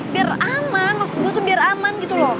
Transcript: biar aman maksud gue tuh biar aman gitu loh